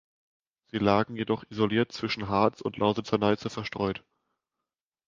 Sie lagen jedoch isoliert zwischen Harz und Lausitzer Neiße verstreut.